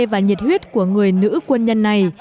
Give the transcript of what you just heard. và nhiệt huyết của người nữ quân nhân này